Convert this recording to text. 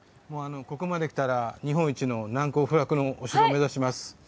ここまできたら日本一の難攻不落のお城目指します。